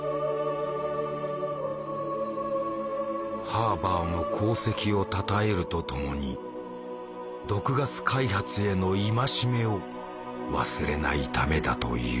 ハーバーの功績をたたえるとともに毒ガス開発への戒めを忘れないためだという。